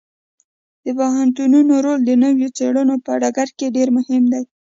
د پوهنتونونو رول د نویو څیړنو په ډګر کې ډیر مهم دی.